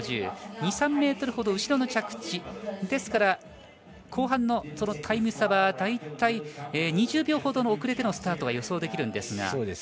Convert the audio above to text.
２３ｍほど後ろの着地ですから後半のタイム差は大体、２０秒ほど遅れてのスタートが予想できるんですが。